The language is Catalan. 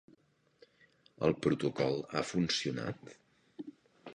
El protocol ha funcionat?